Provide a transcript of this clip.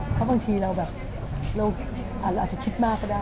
เพราะบางทีเราแบบเราอาจจะคิดมากก็ได้